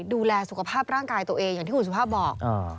ดูแลสุขภาพร่างกายตัวเองอย่างที่คุณสุภาพบอก